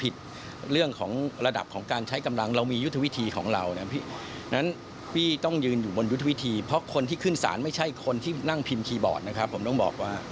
ดังนั้นเจ้าหน้าที่ก็เลยจำเป็นต้องใช้กระสุนจริงค่ะ